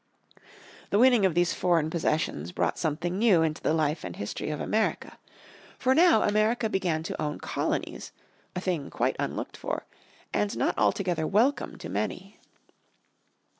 The winning of these foreign possessions brought something new into the life and history of America. For now America began to own colonies, a thing quite unlooked for, and not altogether welcome to many.